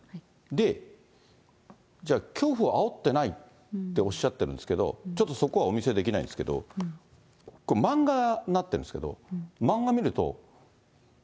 で、じゃあ恐怖をあおってないっておっしゃってるんですけど、ちょっとそこはお見せできないんですけど、漫画になってるんですそうですね。